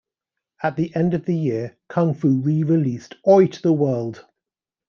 At the end of the year Kung Fu re-released Oi to the World!